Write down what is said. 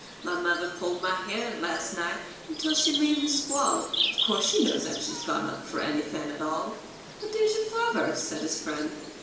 My mother pulled my hair, last night, until she made me squall. Of course she knows that she's gone up for anything at all." "But there's your father," said his friend.